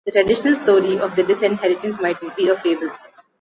The traditional story of the disinheritance might be a fable.